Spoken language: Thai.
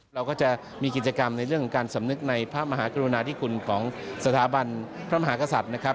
เราก็จะมีกิจกรรมในเรื่องของการสำนึกในพระมหากรุณาธิคุณของสถาบันพระมหากษัตริย์นะครับ